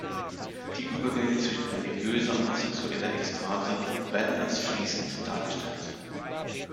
Die Übergänge zwischen religiöser und sexueller Ekstase werden als fließend dargestellt.